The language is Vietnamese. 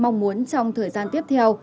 mong muốn trong thời gian tiếp theo